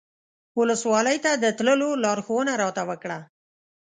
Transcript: ولسوالۍ ته د تللو لارښوونه راته وکړه.